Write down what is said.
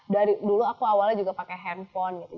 dari dulu aku awalnya juga pakai handphone gitu